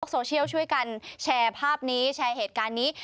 โซเชียลช่วยกันแชร์ภาพนี้แชร์เหตุการณ์นี้